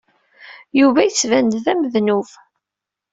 Yuba yettban-d d amednub.